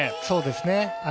そうですね。